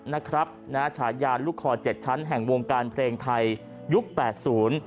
นะฮะฉายานลูกคอเจ็ดชั้นแห่งวงการเพลงไทยยุคแปดศูนย์